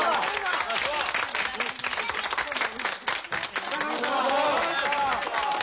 お疲れさまでした！